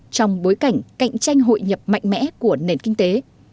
trong bối cảnh cạnh tranh hội nhập mạnh mẽ của nền kinh tế